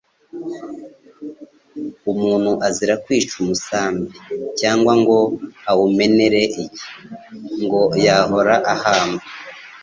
Umuntu azira kwica umusambi cyangwa ngo awumenere igi, ngo yahora ahamba